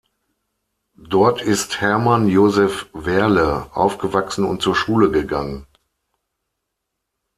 Dort ist Hermann Josef Wehrle aufgewachsen und zur Schule gegangen.